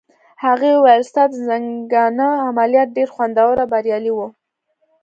هغې وویل: ستا د زنګانه عملیات ډېر خوندور او بریالي وو.